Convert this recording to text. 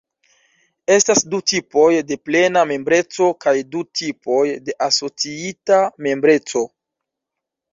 Estas du tipoj de plena membreco kaj du tipoj de asociita membreco.